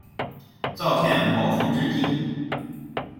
照片保存至今。